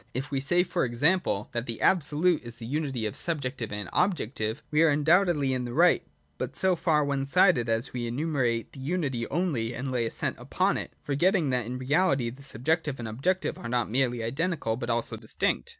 If we say, for example, that the absolute is the unity of subjective and objective, we are undoubtedly in the right, but so far one sided, as we enun ciate the unity only and lay the accent upon it, forgetting that in reality the subjective and objective are not merely identical but also distinct.